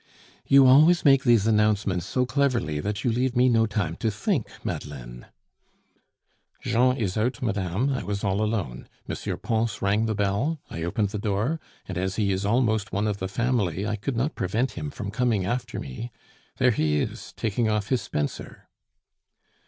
"You always make these announcements so cleverly that you leave me no time to think, Madeleine." "Jean is out, madame, I was all alone; M. Pons rang the bell, I opened the door; and as he is almost one of the family, I could not prevent him from coming after me. There he is, taking off his spencer."